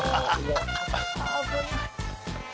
危ない。